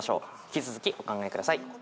引き続きお考えください。